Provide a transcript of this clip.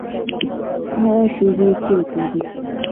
هغه شیبې چیري دي؟